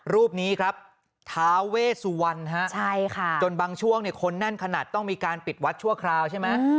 รูปนี้ครับท้าเวสวรรณจนบางช่วงคนแน่นขนาดต้องมีการปิดวัดชั่วคราวใช่ไหม